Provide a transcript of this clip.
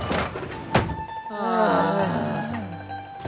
ああ。